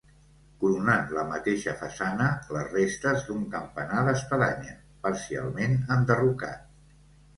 Coronant la mateixa façana, les restes d'un campanar d'espadanya, parcialment enderrocat.